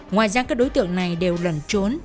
ngoài ra các đối tượng này đều lần trốn